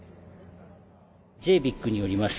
ジェービックによります